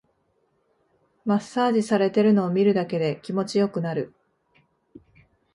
マッサージされてるのを見るだけで気持ちよくなる